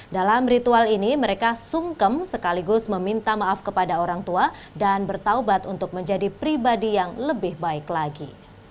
dalam ritual ini mereka sungkem sekaligus meminta maaf kepada orang tua dan bertaubat untuk menjadi pribadi yang lebih baik lagi